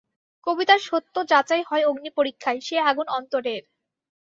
কবিতার সত্য যাচাই হয় অগ্নিপরীক্ষায়, সে আগুন অন্তরের।